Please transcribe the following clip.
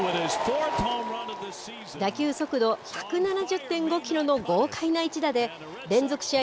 打球速度１７０．５キロの豪快な一打で連続試合